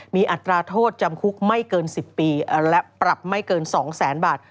มีอัตราโทษจำคุกไม่เกิน๑๐ปีและปรับไม่เกิน๒แสนบาท